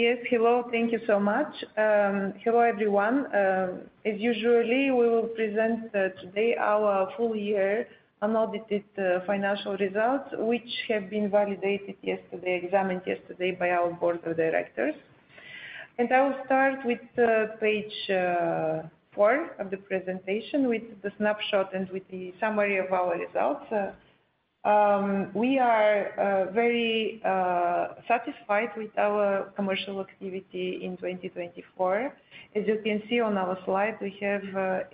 Hello? Yes, hello, thank you so much. Hello everyone. As usual, we will present today our full-year unaudited financial results, which have been validated yesterday, examined yesterday by our board of directors, and I will start with page four of the presentation, with the snapshot and with the summary of our results. We are very satisfied with our commercial activity in 2024. As you can see on our slide, we have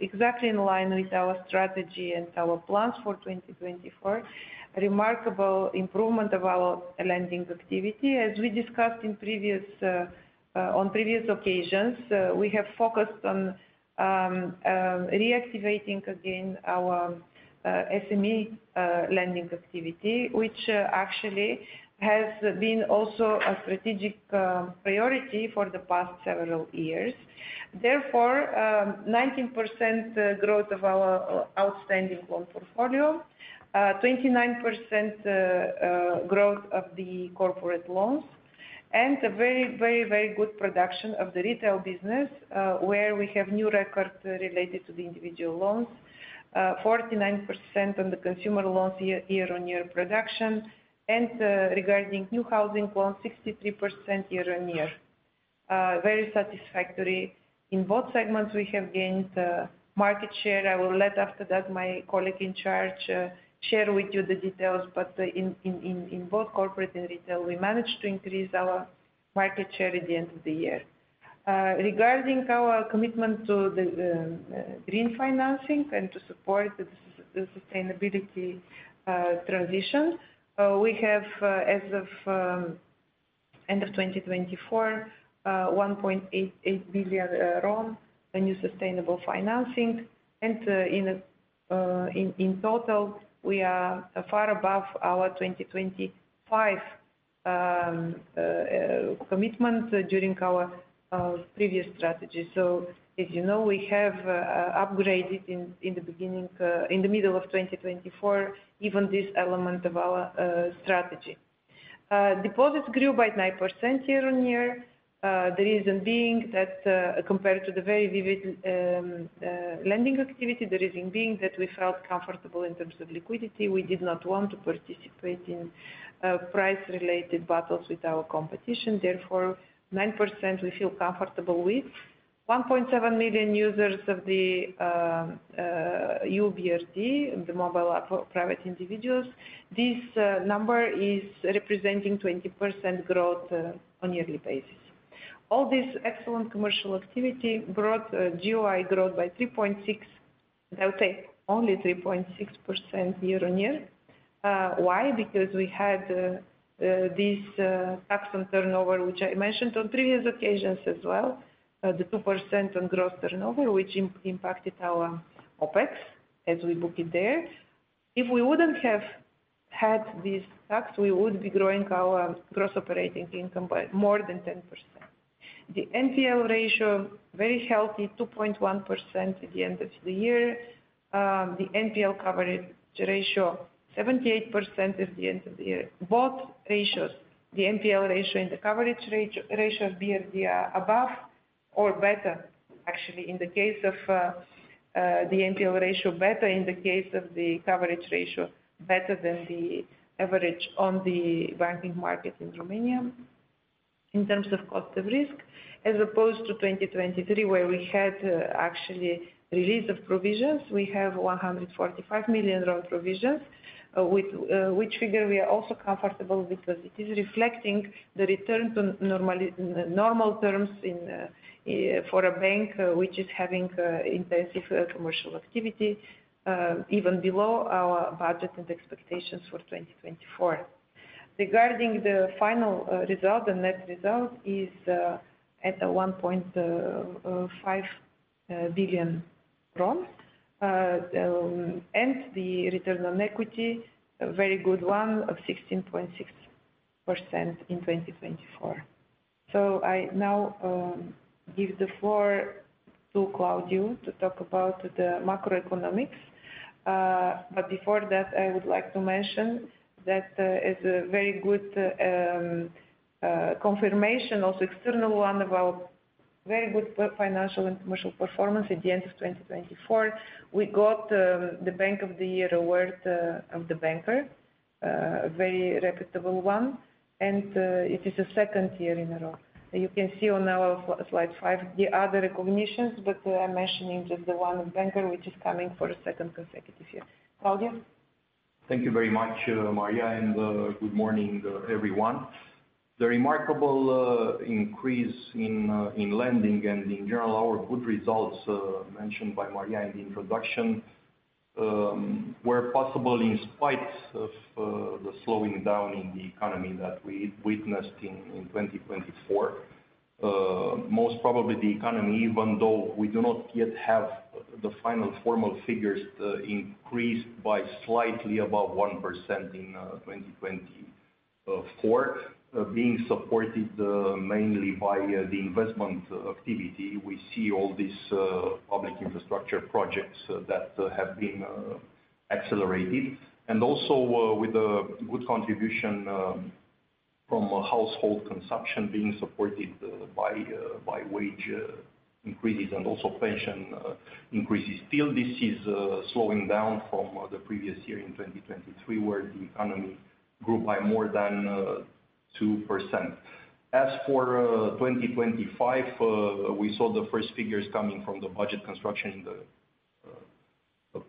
exactly in line with our strategy and our plans for 2024, a remarkable improvement of our lending activity. As we discussed on previous occasions, we have focused on reactivating again our SME lending activity, which actually has been also a strategic priority for the past several years. Therefore, 19% growth of our outstanding loan portfolio, 29% growth of the corporate loans, and a very, very, very good production of the retail business, where we have new records related to the individual loans, 49% on the consumer loans year-on-year production, and regarding new housing loans, 63% year-on-year. Very satisfactory. In both segments, we have gained market share. I will let after that my colleague in charge share with you the details, but in both corporate and retail, we managed to increase our market share at the end of the year. Regarding our commitment to the green financing and to support the sustainability transition, we have, as of end of 2024, RON 1.88 billion in sustainable financing, and in total, we are far above our 2025 commitment during our previous strategy. So, as you know, we have upgraded in the middle of 2024 even this element of our strategy. Deposits grew by 9% year-on-year, the reason being that compared to the very vivid lending activity, the reason being that we felt comfortable in terms of liquidity. We did not want to participate in price-related battles with our competition. Therefore, 9% we feel comfortable with. 1.7 million users of the YOU BRD, the Mobile App for Private Individuals. This number is representing 20% growth on a yearly basis. All this excellent commercial activity brought GOI growth by 3.6%, I would say only 3.6% year-on-year. Why? Because we had this tax on turnover, which I mentioned on previous occasions as well, the 2% on gross turnover, which impacted our OpEx as we book it there. If we wouldn't have had this tax, we would be growing our gross operating income by more than 10%. The NPL ratio, very healthy, 2.1% at the end of the year. The NPL coverage ratio, 78% at the end of the year. Both ratios, the NPL ratio and the coverage ratio of BRD are above or better, actually, in the case of the NPL ratio better in the case of the coverage ratio better than the average on the banking market in Romania. In terms of cost of risk, as opposed to 2023, where we had actually release of provisions, we have RON 145 million provisions, which figure we are also comfortable with because it is reflecting the return to normal terms for a bank which is having intensive commercial activity, even below our budget and expectations for 2024. Regarding the final result, the net result is at RON 1.5 billion, and the return on equity, a very good one of 16.6% in 2024. So I now give the floor to Claudiu to talk about the macroeconomics. But before that, I would like to mention that as a very good confirmation, also external one of our very good financial and commercial performance at the end of 2024, we got the Bank of the Year award of The Banker, a very reputable one, and it is the second year in a row. You can see on our slide five the other recognitions, but I'm mentioning just the one of The Banker, which is coming for a second consecutive year. Claudiu? Thank you very much, Maria, and good morning, everyone. The remarkable increase in lending and in general our good results mentioned by Maria in the introduction were possible in spite of the slowing down in the economy that we witnessed in 2024. Most probably the economy, even though we do not yet have the final formal figures, increased by slightly above 1% in 2024, being supported mainly by the investment activity. We see all these public infrastructure projects that have been accelerated, and also with a good contribution from household consumption being supported by wage increases and also pension increases. Still, this is slowing down from the previous year in 2023, where the economy grew by more than 2%. As for 2025, we saw the first figures coming from the budget construction in the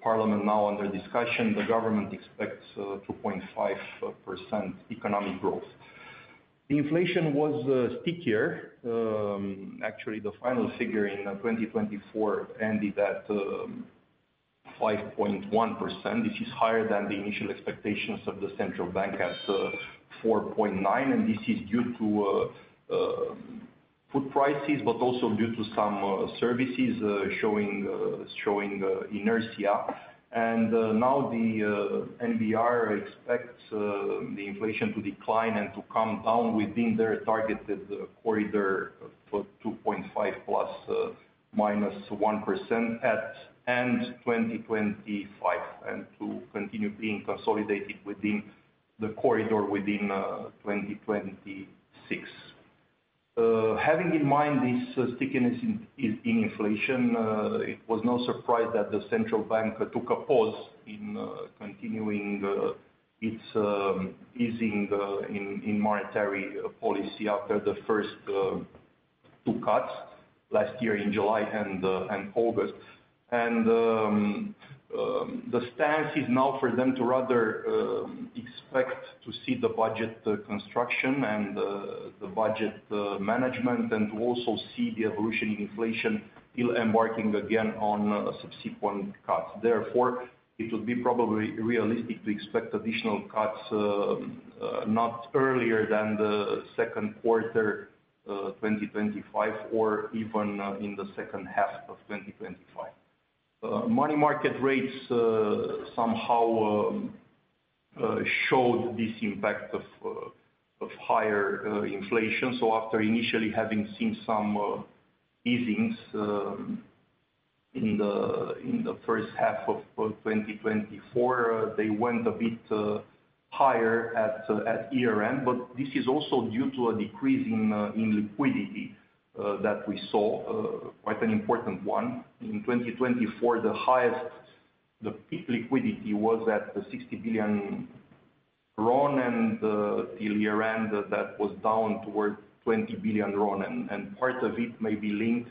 parliament now under discussion. The government expects 2.5% economic growth. The inflation was stickier. Actually, the final figure in 2024 ended at 5.1%. This is higher than the initial expectations of the central bank at 4.9%, and this is due to food prices, but also due to some services showing inertia. And now the NBR expects the inflation to decline and to come down within their targeted corridor for 2.5% plus minus 1% at end 2025 and to continue being consolidated within the corridor within 2026. Having in mind this stickiness in inflation, it was no surprise that the central bank took a pause in continuing its easing in monetary policy after the first two cuts last year in July and August. And the stance is now for them to rather expect to see the budget construction and the budget management and to also see the evolution in inflation still embarking again on subsequent cuts. Therefore, it would be probably realistic to expect additional cuts not earlier than the second quarter 2025 or even in the second half of 2025. Money market rates somehow showed this impact of higher inflation. So after initially having seen some easings in the first half of 2024, they went a bit higher at year-end, but this is also due to a decrease in liquidity that we saw, quite an important one. In 2024, the highest liquidity was at RON 60 billion, and till year-end, that was down towards RON 20 billion. And part of it may be linked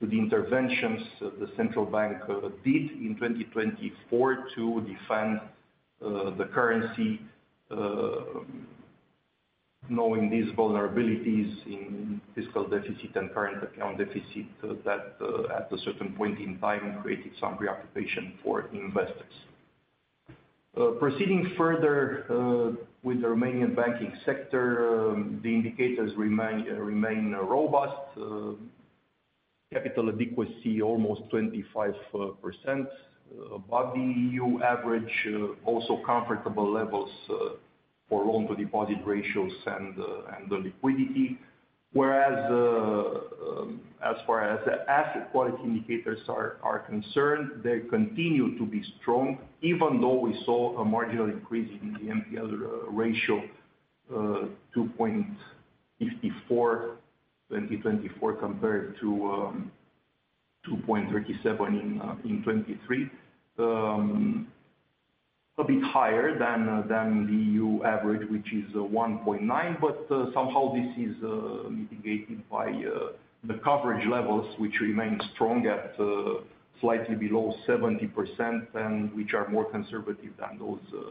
to the interventions the central bank did in 2024 to defend the currency, knowing these vulnerabilities in fiscal deficit and current account deficit that at a certain point in time created some preoccupation for investors. Proceeding further with the Romanian banking sector, the indicators remain robust. Capital adequacy, almost 25% above the EU average, also comfortable levels for loan-to-deposit ratios and liquidity. Whereas as far as asset quality indicators are concerned, they continue to be strong, even though we saw a marginal increase in the NPL ratio, 2.54% in 2024 compared to 2.37% in 2023, a bit higher than the EU average, which is 1.9%, but somehow this is mitigated by the coverage levels, which remain strong at slightly below 70%, and which are more conservative than those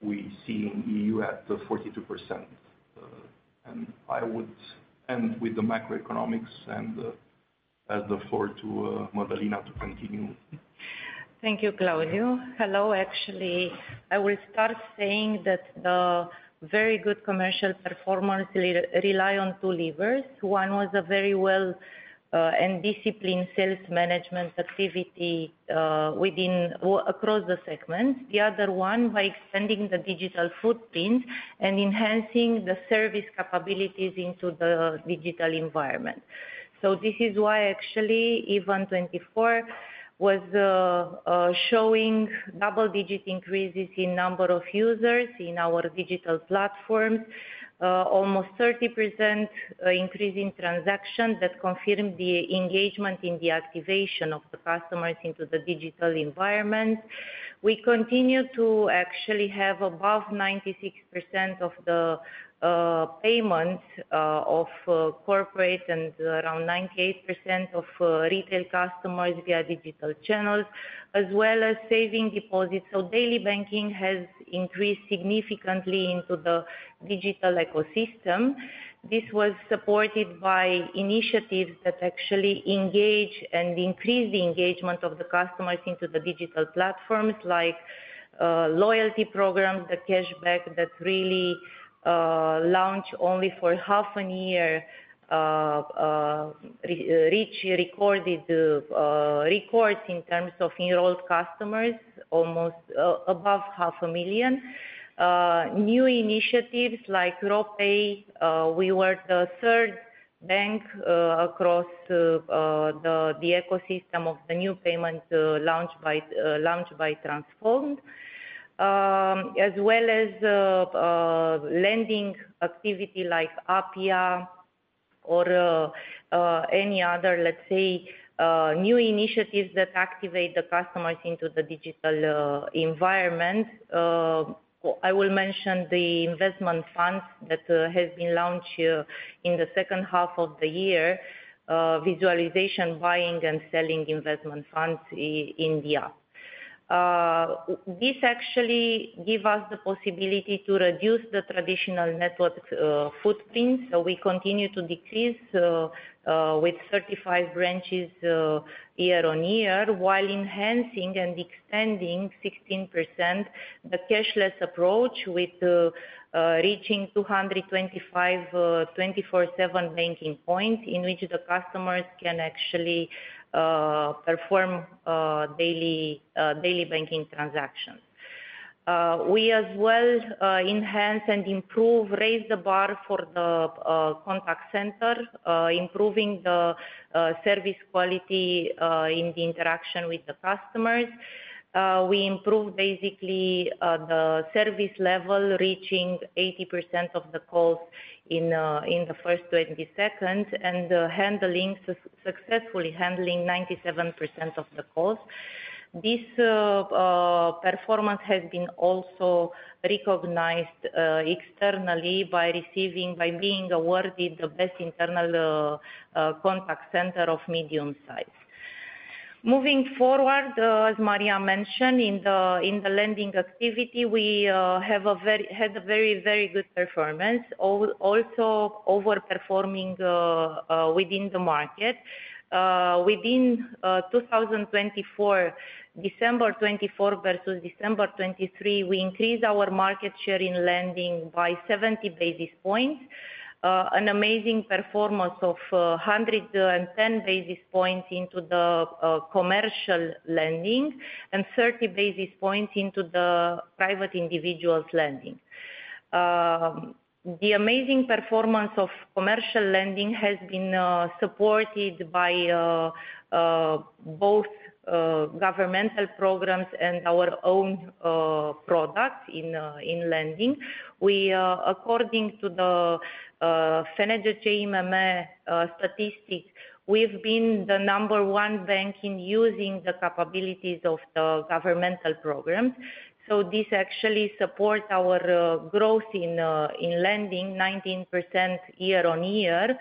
we see in the EU at 42%. And I would end with the macroeconomics, and I'll give the floor to Mădălina to continue. Thank you, Claudiu. Hello, actually. I will start saying that the very good commercial performance relied on two levers. One was a very well and disciplined sales management activity across the segments. The other one by extending the digital footprint and enhancing the service capabilities into the digital environment. So this is why actually EVAN24 was showing double-digit increases in number of users in our digital platforms, almost 30% increase in transactions that confirmed the engagement in the activation of the customers into the digital environment. We continue to actually have above 96% of the payments of corporate and around 98% of retail customers via digital channels, as well as savings deposits. So daily banking has increased significantly into the digital ecosystem. This was supported by initiatives that actually engage and increase the engagement of the customers into the digital platforms, like loyalty programs, the cashback that really launched only for half a year, reached record records in terms of enrolled customers, almost above 500,000. New initiatives like RoPay, we were the third bank across the ecosystem of the new payment launched by Transfond, as well as lending activity like APIA or any other, let's say, new initiatives that activate the customers into the digital environment. I will mention the investment funds that have been launched in the second half of the year, visualization buying and selling investment funds in the app. This actually gives us the possibility to reduce the traditional network footprint. So we continue to decrease with 35 branches year-on-year, while enhancing and extending 16% the cashless approach with reaching 225 24/7 banking points in which the customers can actually perform daily banking transactions. We as well enhance and improve, raise the bar for the contact center, improving the service quality in the interaction with the customers. We improved basically the service level, reaching 80% of the calls in the first 20 seconds and successfully handling 97% of the calls. This performance has been also recognized externally by being awarded the best internal contact center of medium size. Moving forward, as Maria mentioned, in the lending activity, we had a very, very good performance, also overperforming within the market. Within 2024, December 2024 versus December 2023, we increased our market share in lending by 70 basis points, an amazing performance of 110 basis points into the commercial lending and 30 basis points into the private individuals' lending. The amazing performance of commercial lending has been supported by both governmental programs and our own products in lending. According to the FNGCIMM statistics, we've been the number one bank in using the capabilities of the governmental programs. So this actually supports our growth in lending, 19% year-on-year,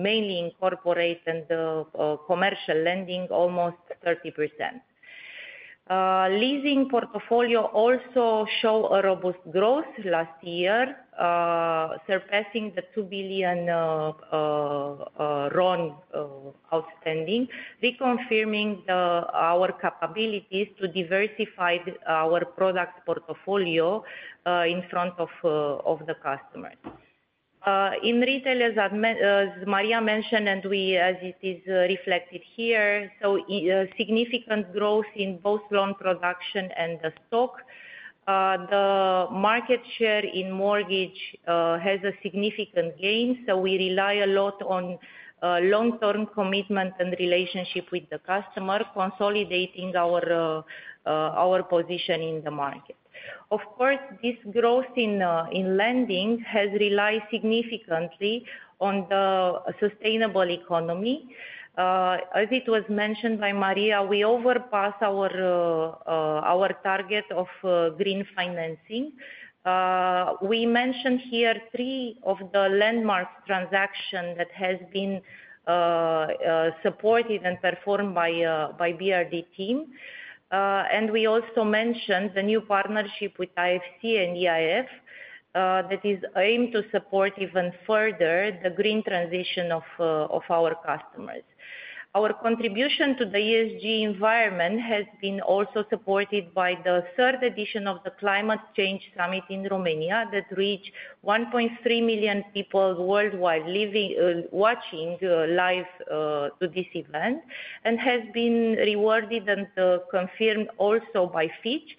mainly in corporate and commercial lending, almost 30%. Leasing portfolio also showed a robust growth last year, surpassing the RON 2 billion outstanding, reconfirming our capabilities to diversify our product portfolio in front of the customers. In retail, as Maria mentioned, and as it is reflected here, so significant growth in both loan production and the stock. The market share in mortgage has a significant gain, so we rely a lot on long-term commitment and relationship with the customer, consolidating our position in the market. Of course, this growth in lending has relied significantly on the sustainable economy. As it was mentioned by Maria, we surpass our target of green financing. We mentioned here three of the landmark transactions that have been supported and performed by BRD team, and we also mentioned the new partnership with IFC and EIF that is aimed to support even further the green transition of our customers. Our contribution to the ESG environment has been also supported by the third edition of the Climate Change Summit in Romania that reached 1.3 million people worldwide watching live to this event and has been rewarded and confirmed also by Fitch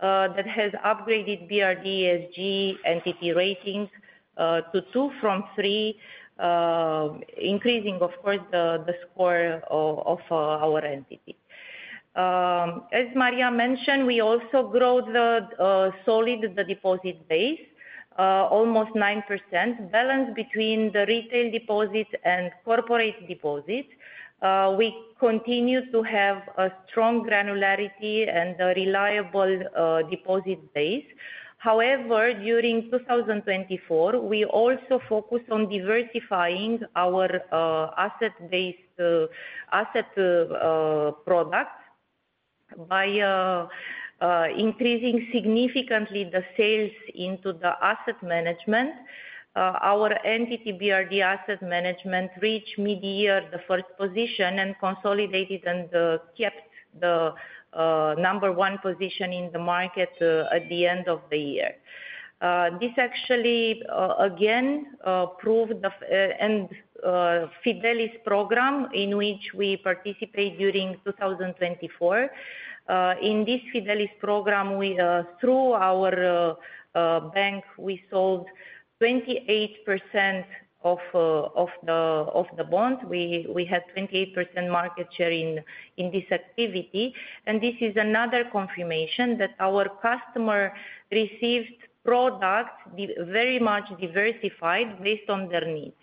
that has upgraded BRD ESG entity rating to 2 from 3, increasing, of course, the score of our entity. As Maria mentioned, we also grow solid the deposit base, almost 9%, balanced between the retail deposit and corporate deposits. We continue to have a strong granularity and reliable deposit base. However, during 2024, we also focused on diversifying our asset-based asset products by increasing significantly the sales into the asset management. Our entity BRD Asset Management reached mid-year the first position and consolidated and kept the number one position in the market at the end of the year. This actually, again, proved the Fidelis program in which we participate during 2024. In this Fidelis program, through our bank, we sold 28% of the bond. We had 28% market share in this activity. And this is another confirmation that our customer received products very much diversified based on their needs.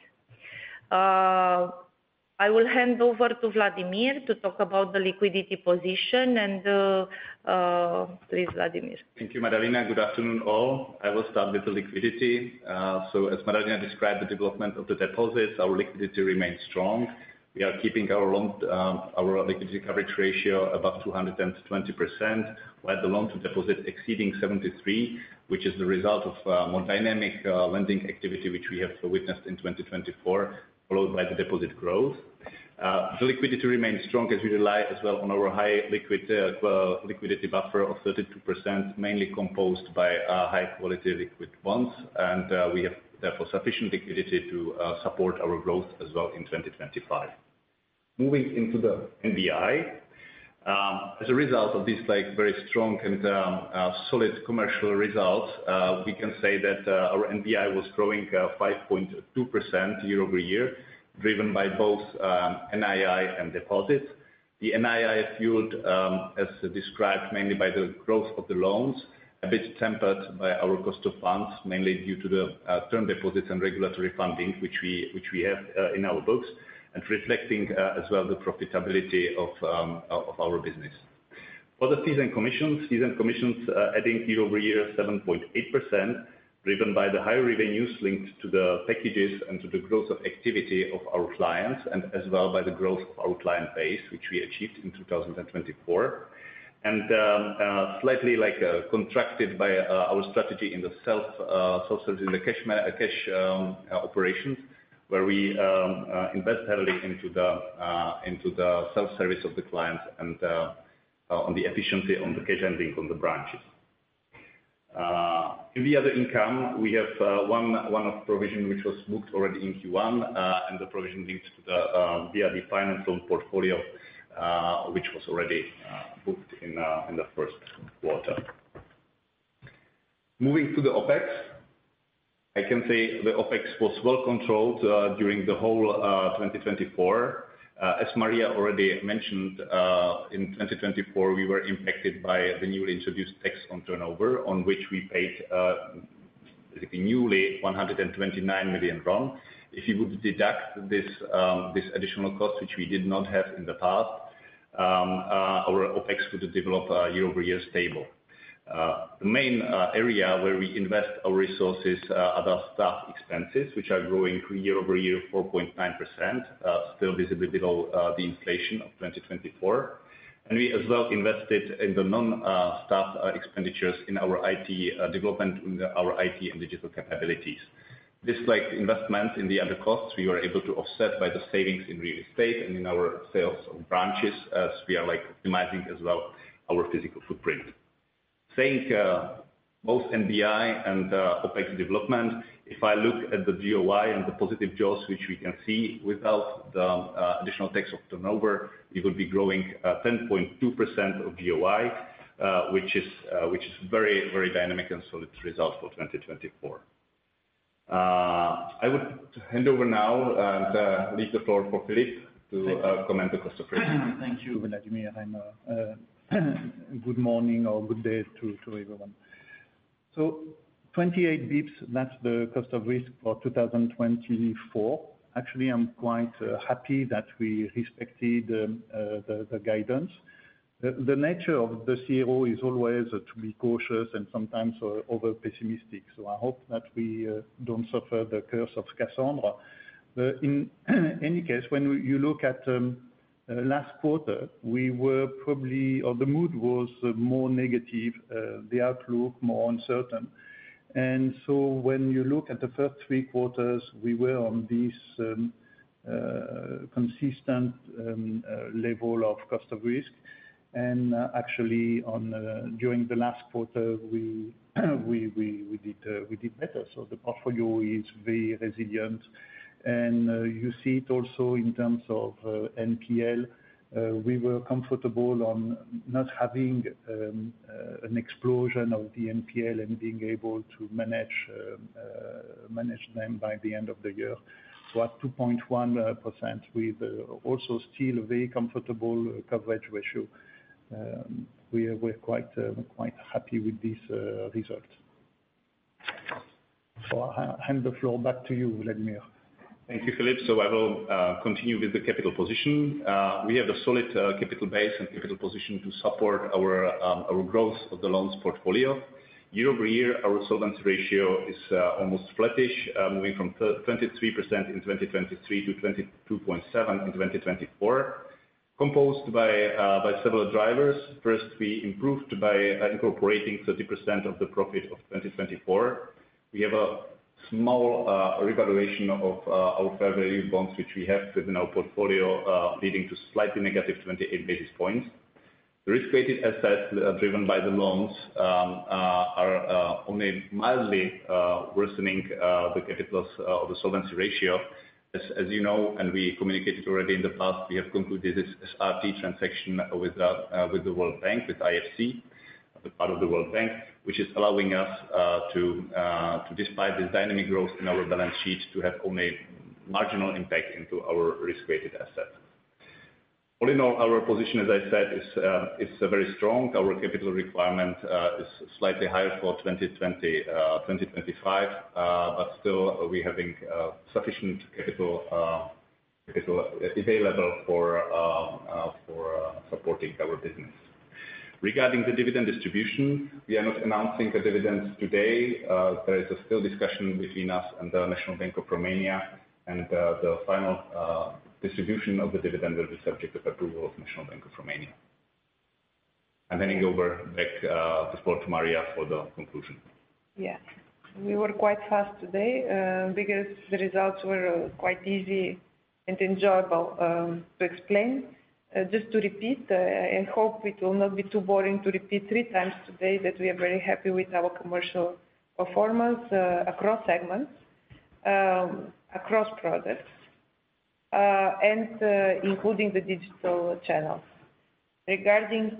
I will hand over to Vladimir to talk about the liquidity position. And please, Vladimir. Thank you, Mădălina. Good afternoon, all. I will start with the liquidity. So, as Mădălina described, the development of the deposits, our liquidity remains strong. We are keeping our liquidity coverage ratio above 220%, while the loan-to-deposit exceeding 73%, which is the result of more dynamic lending activity, which we have witnessed in 2024, followed by the deposit growth. The liquidity remains strong as we rely as well on our high liquidity buffer of 32%, mainly composed by high-quality liquid bonds. And we have therefore sufficient liquidity to support our growth as well in 2025. Moving into the NBI. As a result of these very strong and solid commercial results, we can say that our NBI was growing 5.2% year-over-year, driven by both NII and deposits. The NII, fueled as described, mainly by the growth of the loans, a bit tempered by our cost of funds, mainly due to the term deposits and regulatory funding, which we have in our books, and reflecting as well the profitability of our business. For the fees and commissions adding year-over-year 7.8%, driven by the higher revenues linked to the packages and to the growth of activity of our clients, and as well by the growth of our client base, which we achieved in 2024, and slightly contracted by our strategy in the self-service in the cash operations, where we invest heavily into the self-service of the clients and on the efficiency on the cash handling on the branches. In the other income, we have one-off provision which was booked already in Q1 and the provision linked to the BRD Finance loan portfolio, which was already booked in the first quarter. Moving to the OpEx, I can say the OpEx was well controlled during the whole 2024. As Maria already mentioned, in 2024, we were impacted by the newly introduced tax on turnover, on which we paid basically RON 129 million. If you would deduct this additional cost, which we did not have in the past, our OpEx would develop a year-over-year stable. The main area where we invest our resources are the staff expenses, which are growing year-over-year 4.9%, still well below the inflation of 2024. We as well invested in the non-staff expenditures in our IT development, our IT and digital capabilities. This investment in the other costs we were able to offset by the savings in real estate and in our sales of branches as we are optimizing as well our physical footprint. Saying both NBI and OpEx development, if I look at the GOI and the positive growth, which we can see without the additional tax of turnover, we would be growing 10.2% of GOI, which is a very, very dynamic and solid result for 2024. I would hand over now and leave the floor for Philippe to comment on the cost of risk. Thank you, Vladimir. And good morning or good day to everyone. So 28 basis points, that's the cost of risk for 2024. Actually, I'm quite happy that we respected the guidance. The nature of the CRO is always to be cautious and sometimes over-pessimistic. So I hope that we don't suffer the curse of Cassandra. In any case, when you look at last quarter, we were probably, or the mood was more negative, the outlook more uncertain. And so when you look at the first three quarters, we were on this consistent level of cost of risk. And actually, during the last quarter, we did better. So the portfolio is very resilient. And you see it also in terms of NPL. We were comfortable on not having an explosion of the NPL and being able to manage them by the end of the year. So at 2.1%, we also still very comfortable coverage ratio. We are quite happy with this result. So I hand the floor back to you, Vladimir. Thank you, Philippe. So I will continue with the capital position. We have a solid capital base and capital position to support our growth of the loans portfolio. Year-over-year, our solvency ratio is almost flattish, moving from 23% in 2023 to 22.7% in 2024, composed by several drivers. First, we improved by incorporating 30% of the profit of 2024. We have a small revaluation of our fair value bonds, which we have within our portfolio, leading to slightly negative 28 basis points. The risk-weighted assets driven by the loans are only mildly worsening the capital of the solvency ratio. As you know, and we communicated already in the past, we have concluded this SRT transaction with the World Bank, with IFC, the part of the World Bank, which is allowing us to, despite this dynamic growth in our balance sheet, to have only marginal impact into our risk-weighted assets. All in all, our position, as I said, is very strong. Our capital requirement is slightly higher for 2025, but still we are having sufficient capital available for supporting our business. Regarding the dividend distribution, we are not announcing the dividends today. There is still discussion between us and the National Bank of Romania, and the final distribution of the dividend will be subject to approval of the National Bank of Romania. I'm handing over back the floor to Maria for the conclusion. Yeah. We were quite fast today because the results were quite easy and enjoyable to explain. Just to repeat, I hope it will not be too boring to repeat three times today that we are very happy with our commercial performance across segments, across products, and including the digital channels. Regarding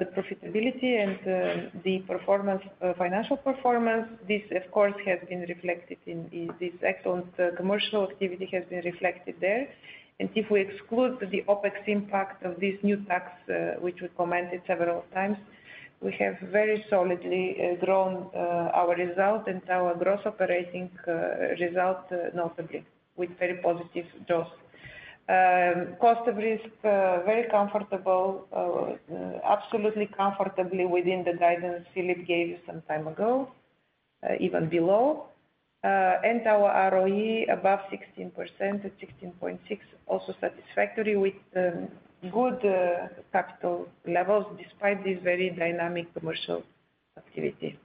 the profitability and the financial performance, this, of course, has been reflected in this excellent commercial activity there. If we exclude the OpEx impact of this new tax, which we commented several times, we have very solidly grown our result and our gross operating result notably with very positive growth. Cost of risk, very comfortable, absolutely comfortably within the guidance Philippe gave you some time ago, even below. Our ROE above 16% at 16.6%, also satisfactory with good capital levels despite this very dynamic commercial activity.